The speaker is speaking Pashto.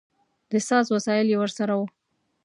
د ساز وسایل یې ورسره و.